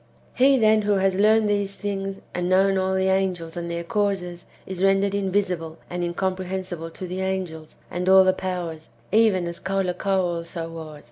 He, then, who has learned [these things], and known all the angels and their causes, is rendered invisible and incom prehensible to the angels and all the powers, even as Caulacau also was.